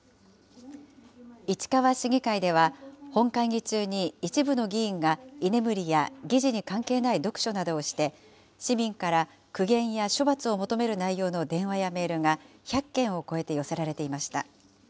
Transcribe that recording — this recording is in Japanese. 市川市議会では、本会議中に一部の議員が居眠りや議事に関係ない読書などをして、市民から苦言や処罰を求める内容の電話やメールが１００件を超えて寄せられていました。